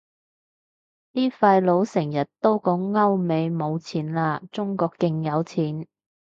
啲廢老成日都講歐美冇錢喇，中國勁有錢